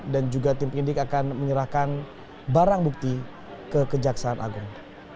dan juga tim penyidik akan menyerahkan barang bukti ke kejaksaan agung